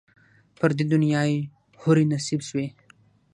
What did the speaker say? پر دې دنیا یې حوري نصیب سوې